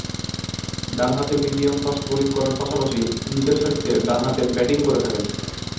ডানহাতে medium fast bowling করার পাশাপাশি নিচেরসারিতে ডানহাতে ব্যাটিং করে থাকেন।